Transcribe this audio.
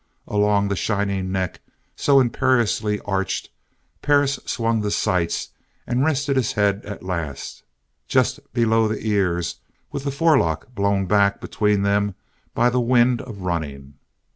Along the shining neck, so imperiously arched, Perris swung the sights and rested his head, at last, just below the ears with the forelock blown back between them by the wind of running.